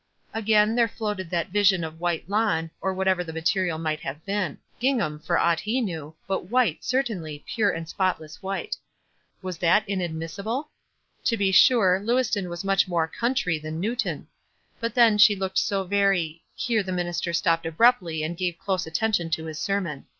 Again there floated that vision of white lawn, or whatever the material might have been; gingham, for aught he knew, but white certain 14 WISE AND OTHERWISE. ly, pure and spotless white. Was that inad missible? To be sure, Lewiston was much more "country" than Newton. Bat then she looked so very — here the minister stopped abruptly and gave close attention to his sermon.